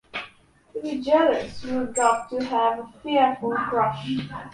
To be jealous you've got to have a fearful crush.